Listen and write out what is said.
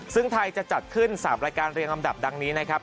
ซึ่งไทยจะจัดขึ้น๓รายการเรียงลำดับดังนี้นะครับ